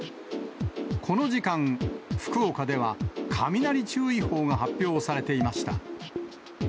この時間、福岡では雷注意報が発表されていました。